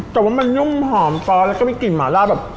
แต่ว่ามันนุ่มหอมซอสแล้วก็มีกลิ่นหมาล่าแบบ